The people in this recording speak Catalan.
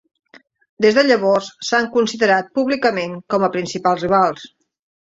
Des de llavors s'han considerat públicament com a principals rivals.